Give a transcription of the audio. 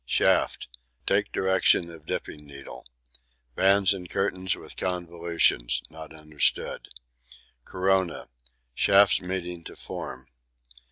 Shafts: take direction of dipping needle. Bands and Curtains with convolutions not understood. Corona: shafts meeting to form.